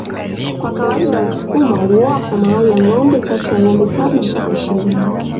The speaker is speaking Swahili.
Kwa kawaida wasukuma huoa kwa mahali ya ngombe kati ya ngombe saba mpaka ishirini